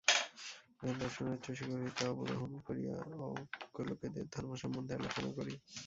এখন দর্শনের উচ্চ শিখর হইতে অবরোহণ করিয়া অজ্ঞলোকেদের ধর্ম সম্বন্ধে আলোচনা করি।